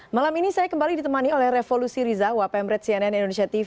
malam ini saya kembali ditemani oleh revolusi riza wapemret cnn indonesia tv